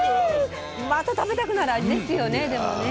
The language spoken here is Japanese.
また食べたくなる味ですよねでもね。